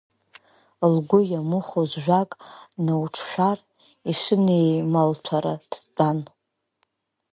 Лгәы иамыхәоз ажәак науҿшәар, ишынеималҭәара дтәан.